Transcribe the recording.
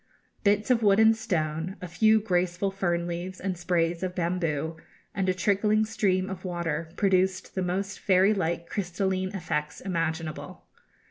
Bits of wood and stone, a few graceful fern leaves and sprays of bamboo, and a trickling stream of water produced the most fairy like crystalline effects imaginable.